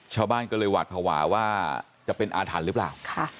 ชาวบ้านก็เลยหวาดภาวะว่าจะเป็นอาถรรพ์หรือเปล่า